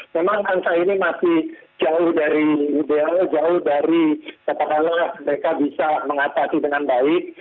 memang angka ini masih jauh dari ideal jauh dari katakanlah mereka bisa mengatasi dengan baik